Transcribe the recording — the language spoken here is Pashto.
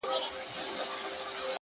چلند د فکر عکس دی!